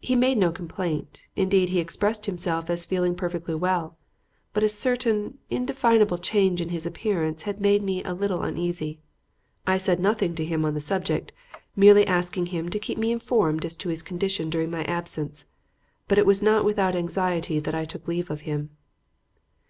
He made no complaint, indeed he expressed himself as feeling perfectly well; but a certain, indefinable change in his appearance had made me a little uneasy. I said nothing to him on the subject, merely asking him to keep me informed as to his condition during my absence, but it was not without anxiety that I took leave of him.